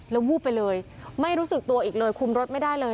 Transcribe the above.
แล้ววูบไปเลยไม่รู้สึกตัวอีกเลยคุมรถไม่ได้เลย